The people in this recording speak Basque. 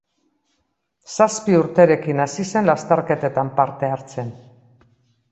Zazpi urterekin hasi zen lasterketetan parte hartzen.